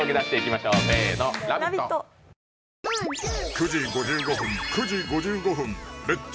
９時５５分９時５５分「レッツ！